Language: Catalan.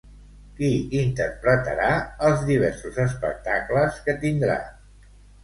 Qui interpretarà els diversos espectacles que tindrà?